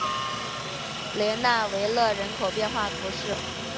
雷讷维勒人口变化图示